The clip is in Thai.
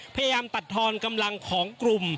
พยายามตัดทอนกำลังของกลุ่ม